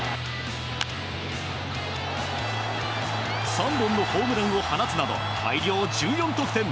３本のホームランを放つなど大量１４得点。